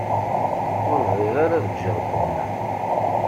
Ur bɣiɣ ara ad ǧǧeɣ Tom.